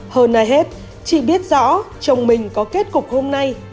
hơn ai hết chị biết rõ chồng mình có kết cục hôm nay